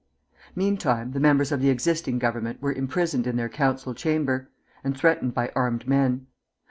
Meantime the members of the existing Government were imprisoned in their council chamber, and threatened by armed men.